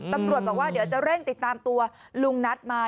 ตำรวจบอกว่าเดี๋ยวจะเร่งติดตามตัวลุงนัทมา